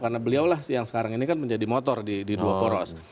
karena beliaulah yang sekarang ini kan menjadi motor di dua poros